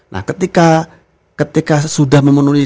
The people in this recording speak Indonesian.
nah ketika sudah memenuhi